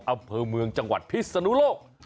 อำเภอเมืองจังหวัดพิศนุโลก